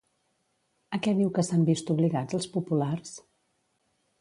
A què diu que s'han vist obligats els populars?